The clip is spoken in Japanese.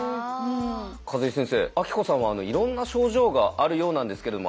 數井先生あきこさんはいろんな症状があるようなんですけれども。